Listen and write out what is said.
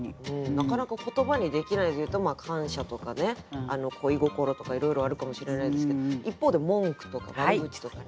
なかなか言葉にできないというと感謝とかね恋心とかいろいろあるかもしれないですけど一方で文句とか悪口とかね。